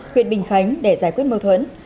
huyện bình khánh để giải quyết mâu thuẫn